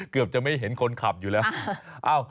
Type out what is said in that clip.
เกือบจะไม่เห็นคนขับอยู่แล้ว